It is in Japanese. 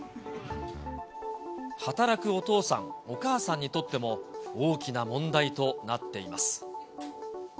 働くお父さん、お母さんにとっても、大きな問題となっています。